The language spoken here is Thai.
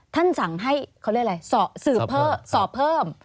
ท่านสั่งให้เขาเรียกอะไรส่อเพิ่ม